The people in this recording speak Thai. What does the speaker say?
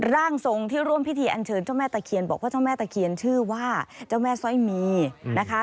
ร่างทรงที่ร่วมพิธีอันเชิญเจ้าแม่ตะเคียนบอกว่าเจ้าแม่ตะเคียนชื่อว่าเจ้าแม่สร้อยมีนะคะ